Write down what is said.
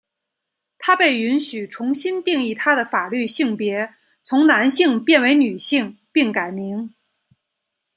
她被允许重新定义她的法律性别从男性变为女性并改名。